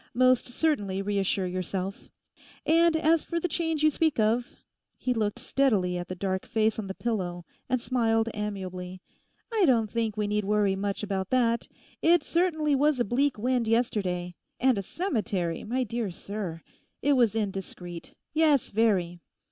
Most certainly reassure yourself! And as for the change you speak of'—he looked steadily at the dark face on the pillow and smiled amiably—'I don't think we need worry much about that. It certainly was a bleak wind yesterday—and a cemetery, my dear sir! It was indiscreet—yes, very.